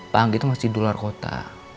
panggi tuh masih di luar kota